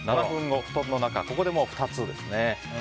７分後、布団の中ここでもう２つですね。